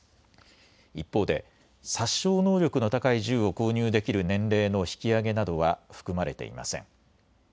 一方で殺傷能力の高い銃を購入できる年齢の引き上げなどは含まれていません。